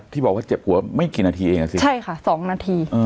ที่บอกว่าเจ็บหัวไม่กี่นาทีเองอ่ะสิใช่ค่ะ๒นาที